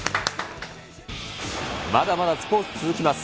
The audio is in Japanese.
まだまだスポーツ続きます。